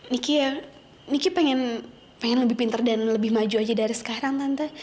niki ya niki pengen lebih pinter dan lebih maju aja dari sekarang tante